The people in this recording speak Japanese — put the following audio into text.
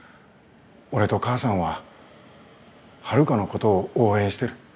俺と母さんはハルカのことを応援してる。